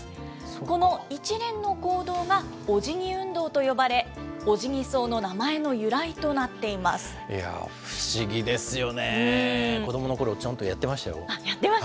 この一連の行動がオジギ運動と呼ばれ、オジギソウの名前の由来となっています。